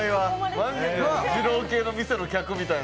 マジで二郎系の店の客みたいな。